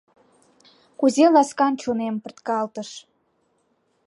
Кузе ласкан чонем пырткалтыш.